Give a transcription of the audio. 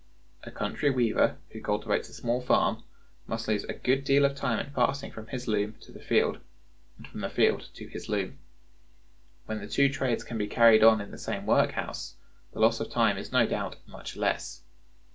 A country weaver, who cultivates a small farm, must lose a good deal of time in passing from his loom to the field, and from the field to his loom. When the two trades can be carried on in the same workhouse, the loss of time is no doubt much less.